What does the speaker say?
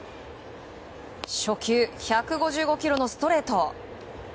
初球、１５５キロのストレート。